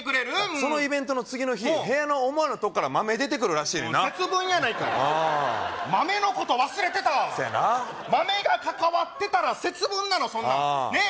そのイベントの次の日部屋の思わぬとこから豆出てくるらしいもう節分やないかああ豆のこと忘れてたそやな豆が関わってたら節分なのああねっ